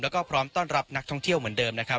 แล้วก็พร้อมต้อนรับนักท่องเที่ยวเหมือนเดิมนะครับ